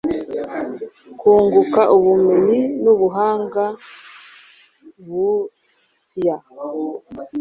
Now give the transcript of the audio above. kunguka ubumenyi nubuhanga buhya,